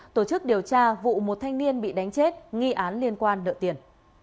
tổ chức điều tra vụ một thanh niên bị đánh chết nghi án liên quan nợ tiền